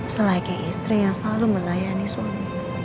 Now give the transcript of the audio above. selagi istri yang selalu melayani suami